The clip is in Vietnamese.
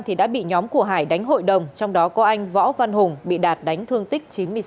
thì đã bị nhóm của hải đánh hội đồng trong đó có anh võ văn hùng bị đạt đánh thương tích chín mươi sáu